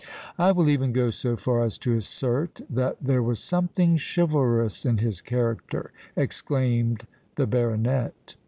"I will even go so far as to assert that there was something chivalrous in his character," exclaimed the baronet.